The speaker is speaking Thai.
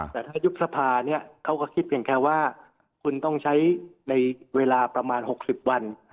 แต่ถ้ายุบสภาเนี่ยเขาก็คิดเพียงแค่ว่าคุณต้องใช้ในเวลาประมาณ๖๐วัน